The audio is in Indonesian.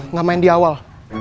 gak main di awal